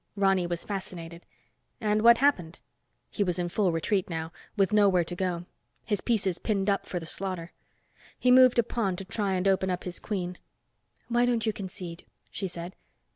Ronny was fascinated. "And what happened?" He was in full retreat now, and with nowhere to go, his pieces pinned up for the slaughter. He moved a pawn to try and open up his queen. "Why don't you concede?" she said.